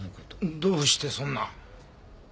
どうしてそんな。